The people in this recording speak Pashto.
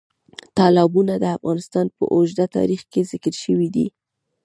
تالابونه د افغانستان په اوږده تاریخ کې ذکر شوي دي.